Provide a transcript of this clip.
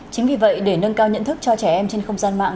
chính vì vậy để nâng cao nhận thức cho trẻ em trên không gian mạng